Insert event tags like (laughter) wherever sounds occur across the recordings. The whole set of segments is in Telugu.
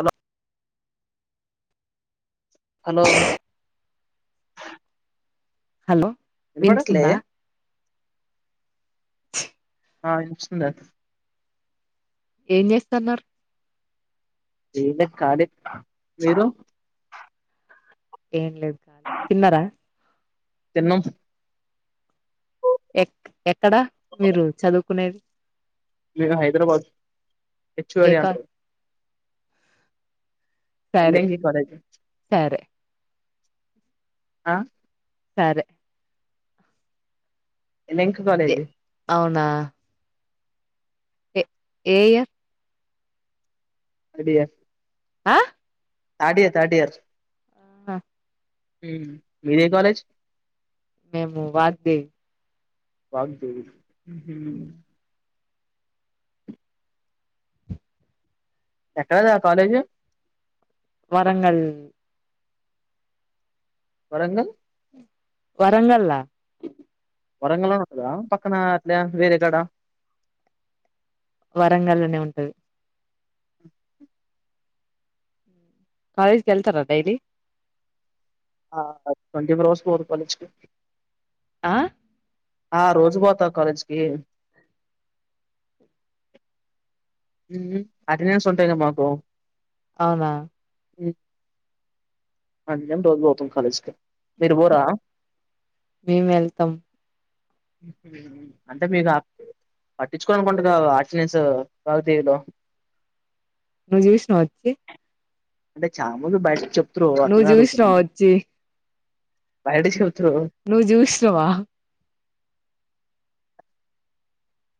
అలో హలో, హలో, విం వినపడట్లే సబ ఆ ఇషంద ఏం చేస్తన్నారు వళ కాడి మీరు ఏం లేదు కాి తిన్నారా తన్న ఎ ఎక్కడా మీరు చదువుకునేది మీ హైదరాబాద్ హచ్చు వెడి ఏకా అంట్ర సరే ఎల్ఎంకి కాలేజ్ సరే ఆ సరే లెంక కాలేజ్ నా ఎ ఏయ అడియ ఆయ్ తాడియర్ తాడియర్ ఆ ఉమ్ మీదే కాలేజ్ మేము వాగ్దే వాగ్ ది ఊహు ఎక్కడ ద కాలజ వరంగల్ వరంగల్ వరంగల్ల వరంగల్ లోనే ఉంటదా పక్కన అట్ల వేరే కాడ వరంగల్లోనే ఉంటది కాలేజ్కిెళ్తరా డైలి ఆ ట్వంటీ ఫోర్ అవర్స్ పోర్ కాలేజ్ అ ఆ రోజు పోతా కాలేజ్ కి ఊ హుమ్ అటెండెన్స్ ఉంటయిగ మాకు అవున మ్యామ్ అందుకని రోజు పోతామ్ కాలేజ్ కి మీరు పోరా మేము వెళ్తాం అంటే మీకు పట్టించుకోని అనుకోకుంటురు క ఆర్టిెనెన్స్ కాగు తెలో నువ్వు చూసినావ వచ్చి అంటే చాల మంది బయట చె నువ్వు చూసినవ వచ్చి పైడిసు నువ్ చూసినవా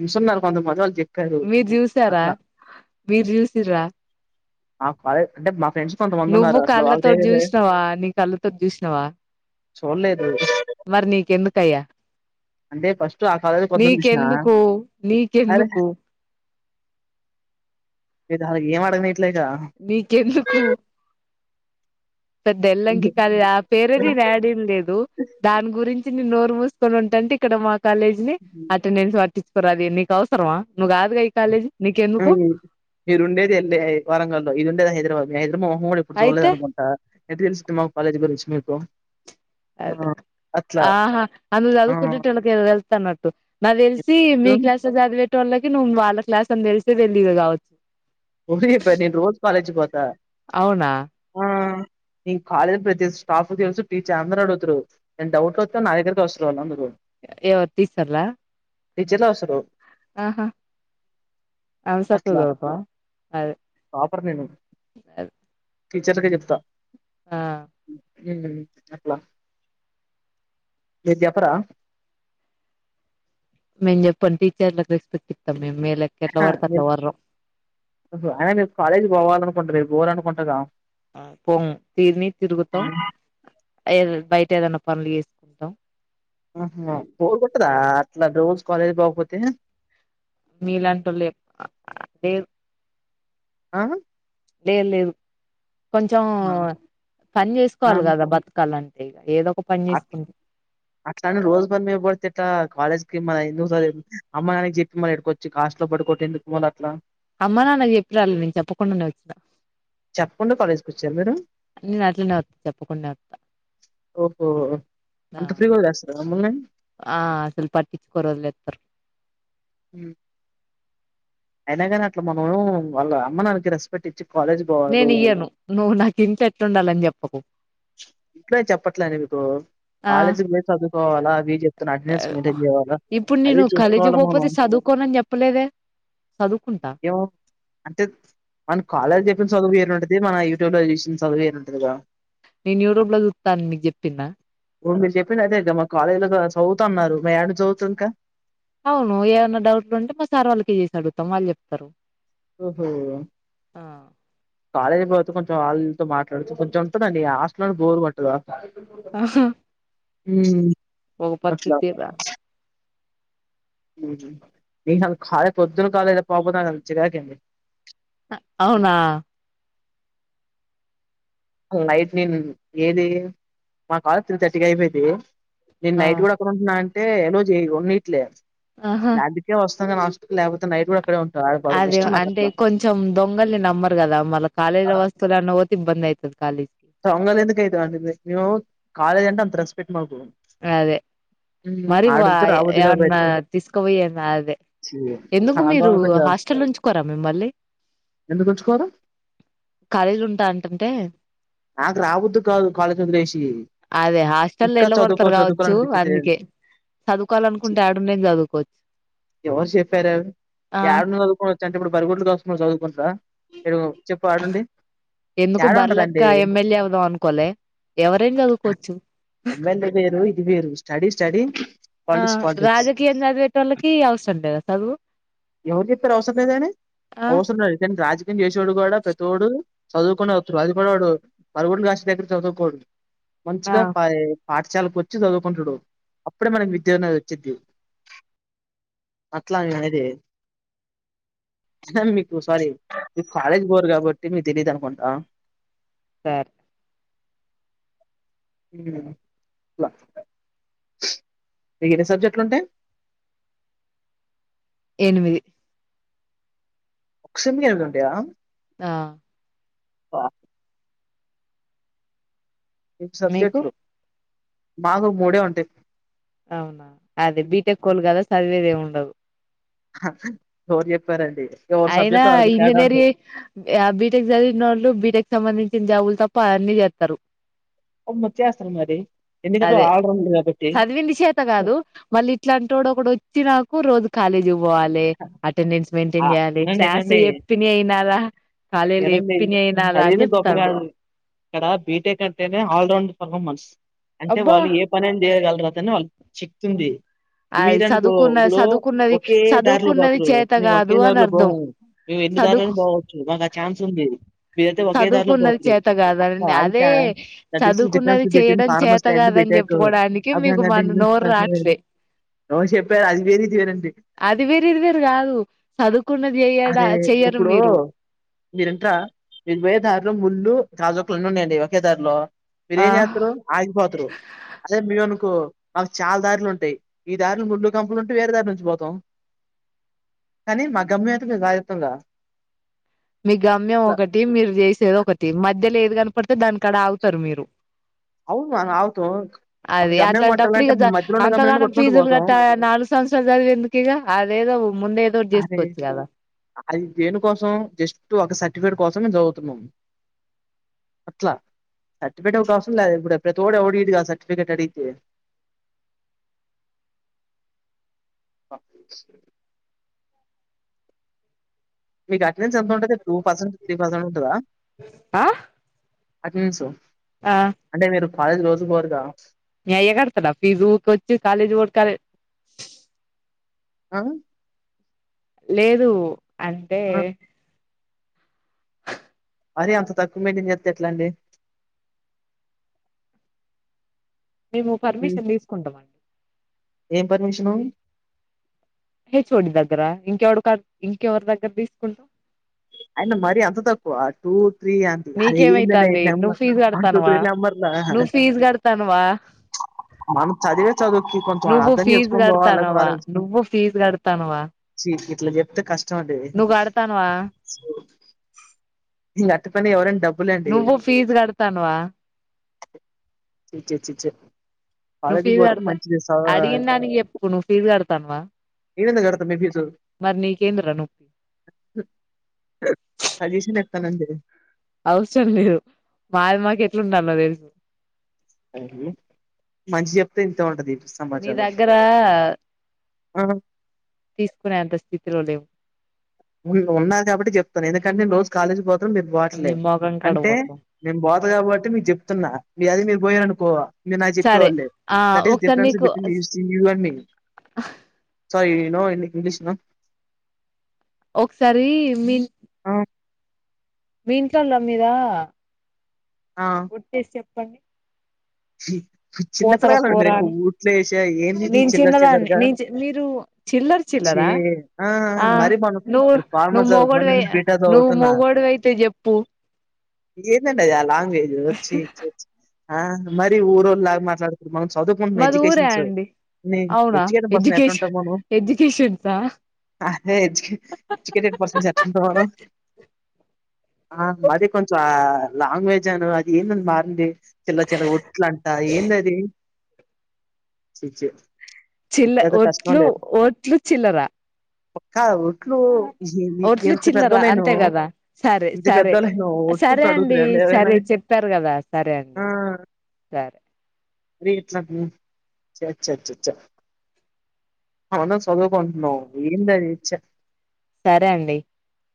చూస్తున్నారు కొంత మజాక్ చెయి మీరు జూసినరా మీరు చూ సిండ్రా మా ఫాలో అంటె మా ఫ్రెండ్స్ కొంతమంది ఉన్నారు నువ్వు అట్లా కళ్ళతోటి వాగుతీవిలో చూసినావ నీ కళ్ళతోటి చూసినావ చూడలేదు మరి నీకెందుకయ్యా అంటే ఫస్ట్ ఆ కాలేజ్ కొంతమంది చూసిన నీకెందుకు నీకెందుకు ఇధ ఏంఅడ నీకెందుకు పెద్దోల్లంకి క లేదు ఆ పేరేది రాడీం లేదు దాని గురించి తిన్ని నోరు మూసుకోని ఉంటంటె ఇక్కడ మా కాలేజ్ని అటెండెన్స్ వర్టి మర దీన్నికి అవసరమా నువ్వు కాదుగా ఈ కాలేజీ ఆ నీకెందుకు మీరు ఉండేది ఎల్ఐ వరంగల్ లో ఇది ఉండేది హైదరాబాద్ (unintelligible) మా మొహం కూడా ఇప్పుడు చూడలేదు అయితే అనుకుంటా, ఎట్టా తెలుసుద్ది మా కాలేజ్ గురించి మీకు, ఆ అదే అట్లా ఆహా అల్లా సదువుకున్నాటోలేకే తేలు న్నట్టు నా తెలిసి మీ ఆ క్లాస్ లో చదివే తొటోలకు నువ్వు వాళ్ళ క్లాస్ అన్ని తెలుసో తిలియదో కావచ్చు, ఊ పని నేను రోజు కాాలేజ్కి పోతా అవునా హ నేను కాలేజీ ప్రతి స్టాఫ్ కు తెలుసు టీచర్ అందరు అడుగుతారు ఏమన్నా డౌట్ వస్తే నా దగ్గరకి వస్తారు వాళ్ళు అందరూ, ఎవత్ తీసాల టీచర్లే వస్తారు ఆహా అంతా సక్కగా అసలా సదువుతావా టాపర్ నేను అదే టీచర్లకే చెప్తా ఆ హు అట్లా మీరు చెప్పారా, నిను చెప్పాను టీచర్లకు రెస్పెక్ట్ ఇతం అహ మీరు అయినా మీరు కాలేజ్ పోవాల అనుకుంట రేపు, పోరు అనుకుంటాగా, ఆ పోము తిని తిరుగుతం, ఏ బయట ఏదన్నా పనులు చేసుకుంటాం హ బోర్ కొట్టదా అట్లా రోజ, కాలేజ్ పోకపోతే మీలాంటి ఒళ్ళు ఎక్కువ లేరు ఆ ఎ లేదు కొంచెం పని చేసుకోవాలి కదా బతకాలంటే ఏదో ఒక పని అట్లా చేసుకుంట అట్లా అని రోజు పనిలేపోతే ఎట్ల కాలేజ్ మన ఎందుకు స అమ్మా నాన్నకు చెప్పి మల్ల ఇడికి కొచ్చి హాస్టల్లో పడుకోవడం ఎందుకు మల్ల అట్లా, అమ్మ నాన్న చెప్పి రలే నేను చెప్పకుండానే వచ్చినా చెప్పకుండా కాలేజ్కి వచ్చారా మీరు నేను అట్లనే వస్తా చెప్పకుండా వస్తా ఓహో అంత ఫ్రీగా వదిలేస్తారా మమ్మల్ని ఆ అసలు పట్టించుకోరూ వదిలేస్తారు హు అయినాగాని అట్లా మనం వాళ్ళ అమ్మ నానికి రెస్పెక్ట్ ఇచ్చి కాలేజ్ పోవాలి నేను రోజు ఇయ్యను నువ్వు నాకు ఇంట్లో ఎట్లుండాలిని చెప్ప పప్పు ఇంట్లో చెప్పట్లేండి మీకు ఆ కాలేజీ ప్లేస్ చదువుకోవాలా అవి చెప్తున్నా అటెండెన్స్ మీటింగ్ చేయాలా ఇప్పుడు అవి నేను కాలేజీ చూసుకోవాల పోపోతే మనం చదువుకోనని చెప్పలేదే చదువుకుంటా ఏమో అంటే మన కాలేజ్ చె చదువుయంట యూట్యూబ్ లో చూసిన చదువు వేరే ఉంటది గా నేను యూట్యూబ్ లో మీకు చెప్పిన ఇ మీరు చెప్పిిన అదే ఇ మా కాలేజీ లో చదువుత అన్నారు మ ఎండ్ చదువుతా ఇంకా అవును ఏమన్నా డౌట్లు ఉంటే మా సార్ వాళ్ళకిే చేసి అడుగుతాం వాళ్ళు చెప్తారు ఓహో ఆ కాలజ్ బ కొంచెం వాళ్ళతో మాట్లాడుతూ కొంచెం దాీ ఆస్ట్ని బోరుగుంటా చ ఆహా ఉ ఒక పతు తరా ాే పొద్దులు కాలద పపతకడి అవునా నైట్ నేను ఏది మా కాాలేజ్ త్రీ థర్టీకి అయిపోది నేను ఆ నైట్ కూడా ఎక్కడ ఉంటున్నా అడి అే ఎలోజీ ఉన్నిీట్లే ఆహా నాదిక వస్తు లేకపోతే నైటు కూడాక్కడ ఉ అదే అంటే కొంచెం దొంగల్ని నమ్మరు కదా మల్ల కాలేజ్ లో వస్తువులున్న పో ఈబ్బంది అవుయితుది దొంగలు ఎందుకు అయితం అండి మేము కాలేజ్ అంత రెస్పెక్ట్ మాకు అదే మరి ఆడుంచి రాబోద్దు కాదు ఏమన్నా బయటికి తీసుకుపోయ అదే ఛీ ఎందుకు మీరు అర్థమవుతుందా హాస్టల్ నుంచ కోరా మిమ్మల్ళీ ఎందుకు ఉంచుకోరు కాలేజీలు ఉంటా అంటంటే నాకు రావద్దు కాదు కాళందర వేసి ఇంకా చదువు రు కావచ్చు అందుకే ఛీ చదువుకోవాలనుకుంటే ఆడ నేను చదువుకోవచ్చు ఎవరు చెప్పార ఆ ఎడ చదువుకోవచ్చ అంటే ఇప్పుడు బర్గడ్లు కాదుసుకుని చదువుకుంటరా ఎరు చెప్పు ఆడండి ఎందుకు బర్లక్క ఎమ్మెల్యే అవుదాం అనుకోలే ఎవరైనా చదువుకోవచ్చు చ్చడి ఆ రాజకీయంగా అదిటల్ ఔసండద చదువు ఎవరిక్కరు అవసరదనే ఆ అవసర రాజ చేసేడు కూడా ప్రతిోడు చదువుకునే వస్తడు అది కూడాడు పరుగుడు కాష్ట దగ్గర చదువుకోడు ఆ మంచిగా పాయ పాఠశాలకు వచ్చి చదువుకుంటుడు అప్పుడే మనకి విద్య అనేది వచ్చిది అట్లా నేను అనేది. (unintelligible) మీకు సారీ మీ కాలేజ్ కి బోరు కాబట్టి మీక్ తెలీదు అనుకుంటా సార్క్ హ్మ్ ఇల మీ ఏర సబ్జెక్టులు ఉంటయ్. ఎనిమిది ఒక్కసెమ్ ఎ వెళ్తుంటాయా ఆ ప హ్ మీకు సబ్జెక్ట్లో మాకు మూడే ఉంటే అవునా అది బీటెక్కోళ్ళు కదా చదివేదేమి ఉండదు ఎవరు చెప్పారండి ఎవరి అయినా సబ్జెక్టులో వాళ్ళకి తేడా ఇంజనీరి ఉంటాయి బీటెక్ చదివినోళ్లు బీటెక్ సంబంధించి చింజావులు తప్ప అన్నీ చేత్తరు అమ్మ వచ్చేస్తుంది మరి ఎందుకంటే అదే ఆల్రౌండర్ కాబట్టి చదివింది చేత కాదు మళ్ళీ ఇట్లాంటోడు ఒకడు వచ్చి నాకు ఓరోజు కాలేజు పోవాలె అటెండెన్స్ ఆ, మెయింటైన్ చేయాలి వినండి క్లాస్ లో వినండి చెప్పినే ఇనాల కాలేజీలో వినండి చెప్పినె ఇనాల అని చదివింది గొప్ప చెప్తాండు కాదు ఇక్కడ బీటెక్ అంటేనే ఆల్రౌండ్ పర్ఫార్మెన్స్ అంటే అబ్బా వాళ్ళు ఏ పనైనా చేయగలరుతని చిక్తుంది అది సదువుకున్నది సదువుకున్నది ఒకే సదువు (unintelligible) మేము ఒకే దారిలో పోము మేము ఎన్ని దారులైన చదువుకు పోవచ్చు మాకు ఆ ఛాన్స్ ఉంది మీరయితే ఒకే దారిలో చదువుకున్నది పోతరు చేత కాదని అదే ద డిఫరెన్స్ చదువుకున్నది బిట్వీన్ చేయడం చేత ఫార్మసి అండ్ కాదని బిటెక్కు చెప్పుకోవడానికి మీకు మన నోరు రాట్లే (unintelligible) చెప్పారు అది వేరూ వేరండి అది ఇది వేరు వేరు కాదు చదువుకున్నది చెయ్యడా అరే చెయ్యరు మీరు ఇది పోయే ధారిలో ముళ్ళలు రాజోక్కలున్న ఉన్నాయండి ఒకే దారిలో ఆ మీరేం చేత్తరు ఆగిపోతరు అదే మేమను కో మాకు చాలా దారులు ఉంటాయి ఈ దారిలో ముళ్లు కంపులు ఉంటే వేరే దారిలోంచి పోతాం కానీ మాగమ్మి (unintelligible) మీ గమ్యం ఒకటి మీరు చేసేది ఒకటి మధ్యలే ది ఆన్ పడ్ దానికాడ ఆగుతారు మీరు అవును మనం ఆగుతాం ఒక అది గమ్యం అట్లాంటప్పుడు కొట్టాలంటే ఇగ మధ్యలో ఉన్న గమ్యాన్ని అంతగానం కొట్టుకుంటూ ఫీజులు పోతాం గట్టా నాలుగు సంవత్సరాలు చదివే ఎందుకు ఇగ వేద వు అరే అది దేను కోసం జస్ట్ ఒక సర్టిఫికేట్ కోసంేము చదువుతున్నాం అట్లా సర్టిఫికేట్ ఒక అవసం లేదు ఇప్పు ప్రతి ఒ ఎడి సర్టిఫికేట్ అడిగితే మీకు అట నుంచి ఎంత ఉంటంది టూ పసంట్ త్రీ పర్సెంట్ ఉంటదా ఆ అగ సో ఆ ఫయ రోజబరుగా నయ కడుతడా ఫీజ ఊకి వచ్చి కాలేజ ఓకాల ఆ లేదు అంటే ఆ అరే అంత తక్కువ మేటిని చెస్త ఎట్లాండి మేము ఉమ్. పర్మిషన్ తీసుకుంటాం అండి ఏం పర్మిషన్ హే చోడి దగ్గర ఇంకెవడు కా ఇంకెవరి దగ్గర తీసుకుంటా అయన మరి అంత తక్కువ ఆ టూ త్రీ అంటీ అది ఏందడి ఎ నీకేమైతాంది నువ్వు నెంబర్ ఫీజు వన్ టూ కడతానవా త్రీ నెంబర్లా నువ్వు ఫీజు కడతానవా మనం చదివే చదువుకి కొంచెం నువ్వు అర్థం ఫీజు చేసుకొని పోవాలి కడతానవా కాాల నువ్వు ఫీజు చెప్తే కష్ట నువ్ ఆడతానువా ఇ అట్ పని ఎవర డబ్బు నువ్వు ఫీజ్ గడతాన్వా చి చె నువ్వు ఫీజ్ కడతా అడిగందానికి ఎప్పుడు నువ్వు ఫీజు కడతానువా ఏగడ త ఫీసది మరి నీకేందిరా నొప్పి తలజ అవసరం లేదు మాది మాకు ఎట్లుంటన్న తెలుసు అ మంచి చెప్తే ఇంత ఉంటంది నీ దగ్గర ఆ తీసుకునేంత స్థితిలో లేవు ఉన్నారు కాబట్టి చెప్తాను ఎందుకంటేనుోజు కాలేజ్ పోతాను మీరు నీ పోవట్లేదు మోఖం కాడ అంటే పోతాం మేను బాత కాబట్టి మీకు చెప్తున్నా మీ అది మీ పోయిననుకోవా నేను నాకు సరే చెప్పేవాళ్ళే ఆ దట్ ఈస్ ఒకసారి డిఫరెన్స్ నీకు బిట్వీన్ యూ అండ్ మీ స హీ న ఇ ఇంగ్లిస్ న ఒకసారి మీ ఆ మీంల్ ర మీీద వట్టేసి చెప్పండి హుమ్ హ్ పోతారా చిన్నపిలగాలండి మీరు పోరా ఇంకా అని ఊట్లో వేసి ఏంది ఇది నేను చిల్లరి చిన్నదాన్ని చిల్లరగా నేను మీరు చిల్లర చీ చిల్లరా ఆ మరి మన నువ్వు మీ ఫార్మా నువ్వు జదువుతున్నారు మొగోడివై నేను బీటా జ నువ్వు దువుతున్నా మొగోడివైతే చెప్పు ఇంకేంటండీ ఏ లాగ్ లేదు వచ్చి ఇచోచి ఆ మరి ఊరోల్లాగ మాట్లాడతవ్ మనం చదువుకు (unintelligible) మాది ఊరే ఎడ్యుకేషన్ెన్ అండి అవునా ఎట్లాా మ ఎ్యకెన్ ఎట్లాంటా ఎడ్యుకేషన్ మ ఎడ్యుకేషన్సా ఆ మది కొంచెం ఆ లాంగ్వేజ్ను అది ఏంద మారండి చిల్ల చిల ఓట్ ఇట్లంట ఏంద అది చి చె చిల్ల ఒట్లు ఓట్లు చిల్లర అవ్ ఆ ఒట్లు చిల్లరా అంతే గదా సరే ఇంత సరే పెద్దోళ్ళయినవ్ సరే ఒట్టుప్పుడు అండి అడుగుతరండి ఎవరైనా సరే చెప్పారు గదా సరే అండి సరే రేట్లను చ్చచ్చ చ్చచ్చ అవును సదుకుంటనవ్ ఏందది చ్చ సరే అండి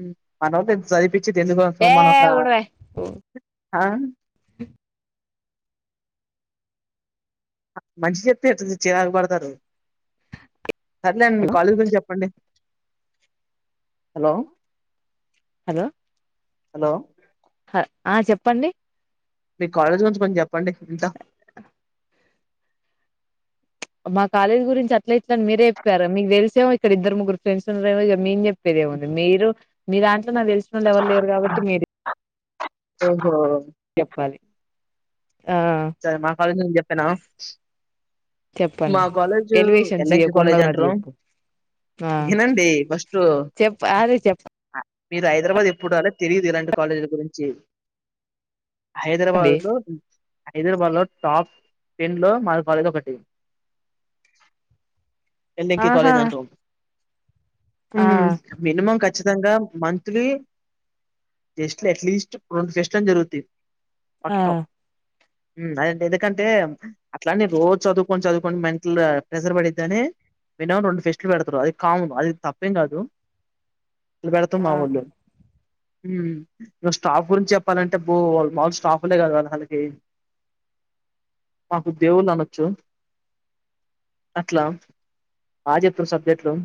ఉమ్ మనోళ్లు ఇం సైటిక్ చిట్ ఎందుకు దాగుతనం ఏ మన అక్కడ ఉడవే ఆ మంచి జెప్తే ఇట చిరాకు పడతారు సర్లెండి మీ కాలేజ్ గురించి జెప్పండి హలో హలో హలో హ ఆ చెప్పండి మీ కాలేజ్ గురించి కొన్ని జెప్ పండి ఇంతా మా కాలేజీ గురించి అట్లఇట్ల అని మీరే యెప్పారు మీకు తెలిసేమో ఇక్కడ ఇద్దరూ ముగ్గురు ఫ్రెండ్స్ ఉన్నారెమో ఇగ మేం జెప్ ప్పేదేముంది మీరు మీదాన్ ఇండ్ల నాకు తెలిషినోళ్ళు ఎవరు లేరు గాబట్టి మీది ఓహో చెప్పాలి ఆ అ నేను చెప్పానా మా చెప్పండి కాలేజ్ ఎ ఎలివేషన్స్ నే సి ఇయ్యకు కాలేజ్ ఉన్నది ఉన్నట్టు అంటారు చెప్పు ఆ ఏనండి ఫస్ట్ చెప్ అదే మీరు హైదరాబాద్ ఎప్పుడు రాలే తెలియదు ఇలాంటి కాలేజీల గురించి చెప్పండి హైదరాబాద్ లో హైదరాబాద్ లో టాప్ టెన్ లో మా కాలేజ్ ఒకటి ఎళ్ నక ఆహా కాలేజ్ అంటారు ఆ హమ్ మినిమం ఖచ్చితంగా మంత్లీ జస్ట్ అట్లీస్ట్ రెండు టెస్ట్లైన జరుగుతాయి ఆ పక్క అదంటే ఎందుకంటే అట్లానే రోజు చదువుకొని చదువుకొని మెంటల్ ప్రెషర్ పడిద్దని మినిమం రెండు టేస్ట్లు పెడతారు అది కామన్ అది తప్పేం కాదు ఇప్పుడు పెడతారు మా ఆ వాళ్లు స్టాఫ్ గురించి చెప్పాలంటే మాలు స్టాఫ్లే కదు కదా వాళ్ళకి మాకు దేవుళ్ళు అనొచ్చు అట్లా బాగా చెప్పినూరు సబ్జెక్టులు